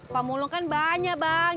pemulung kan banyak bang